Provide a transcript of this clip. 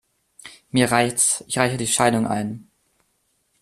Mir reicht's. Ich reiche die Scheidung ein!